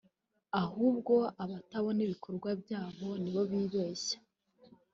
ahubwo abatabona ibikorwa byayo nibo bibeshya”